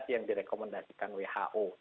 yang direkomendasikan who